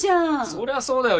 そりゃそうだよ。